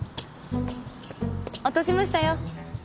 落としましたよ。